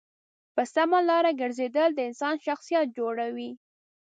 په سمه لاره گرځېدل د انسان شخصیت جوړوي.